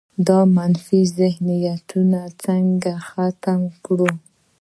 دا منفي ذهنیت څنګه ختم کړو؟